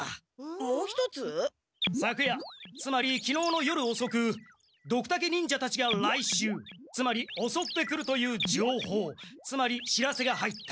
昨夜つまりきのうの夜おそくドクタケ忍者たちが来襲つまりおそってくるという情報つまり知らせが入った。